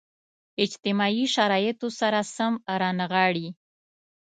اجتماعي شرایطو سره سم رانغاړي.